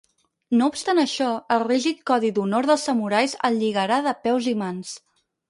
No obstant això, el rígid codi d'honor dels samurais el lligarà de peus i mans.